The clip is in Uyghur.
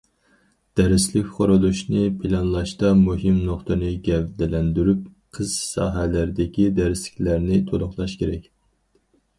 دەرسلىك قۇرۇلۇشىنى پىلانلاشتا مۇھىم نۇقتىنى گەۋدىلەندۈرۈپ، قىس ساھەلەردىكى دەرسلىكلەرنى تولۇقلاش كېرەك.